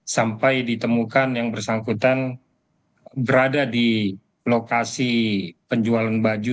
sampai ditemukan yang bersangkutan berada di lokasi penjualan baju